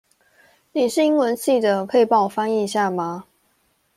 你是英文系的，可以幫我翻譯一下嗎？